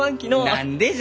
何でじゃ？